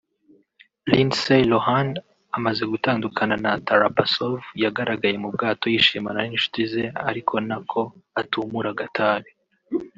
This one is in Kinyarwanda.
Lindsay Lohan amaze gutandukana na Tarabasov yagaragaye mu bwato yishimana n’inshuti ze ari nako atumura agatabi